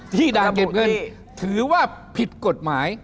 ด่านเก็บเงินถือว่าผิดกฎหมาย